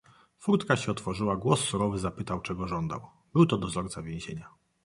"Furtka się otworzyła, głos surowy zapytał czego żądał; był to dozorca więzienia."